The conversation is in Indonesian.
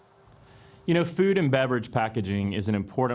makanan dan pembawaan beberan adalah bagian penting dalam hidup kita